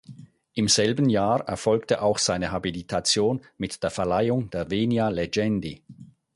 Im selben Jahr erfolgte auch seine Habilitation mit der Verleihung der Venia legendi.